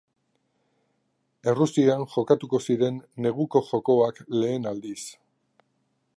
Errusian jokatuko ziren neguko jokoak lehen aldiz.